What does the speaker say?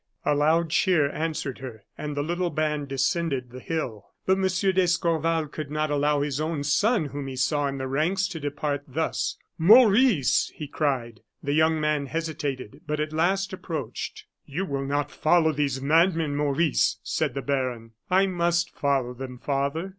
A loud cheer answered her, and the little band descended the hill. But M. d'Escorval could not allow his own son, whom he saw in the ranks, to depart thus. "Maurice!" he cried. The young man hesitated, but at last approached. "You will not follow these madmen, Maurice?" said the baron. "I must follow them, father."